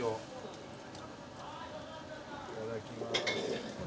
いただきます。